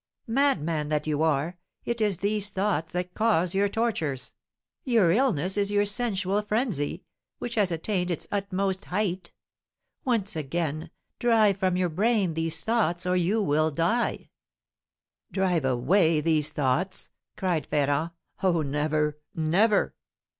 "Madman that you are, it is these thoughts that cause your tortures! Your illness is your sensual frenzy, which has attained its utmost height. Once again, drive from your brain these thoughts or you will die." "Drive away these thoughts!" cried Ferrand. "Oh, never, never!